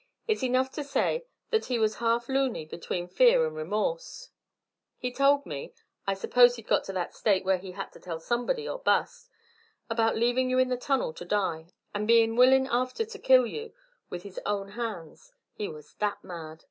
It's enough to say that he was half luny between fear and remorse. He told me I suppose he'd got to that state where he had to tell somebody or bust about leavin' you in the tunnel to die, and bein' willin' after to kill you with his own hands he was that mad.